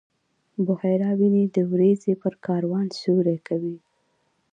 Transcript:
بحیرا ویني وریځې پر کاروان سیوری کوي.